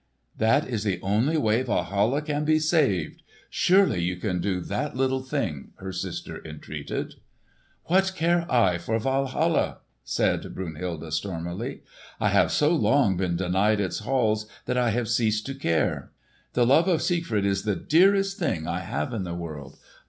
"That is the only way Walhalla can be saved! Surely you can do that little thing!" her sister entreated. "What care I for Walhalla?" said Brunhilde, stormily. "I have so long been denied its halls that I have ceased to care. The love of Siegfried is the dearest thing I have in the world.